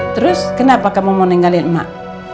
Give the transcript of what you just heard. terus kenapa kamu mau ninggalin mak